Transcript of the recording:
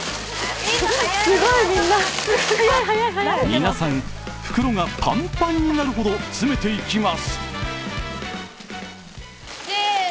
皆さん、袋がパンパンになるほど詰めていきます。